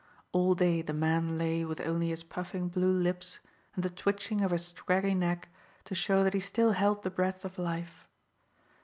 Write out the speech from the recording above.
All day the man lay with only his puffing blue lips and the twitching of his scraggy neck to show that he still held the breath of life.